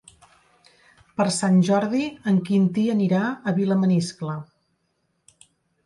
Per Sant Jordi en Quintí anirà a Vilamaniscle.